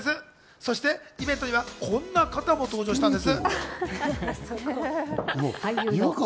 そしてイベントにはこんな方も登場したんです。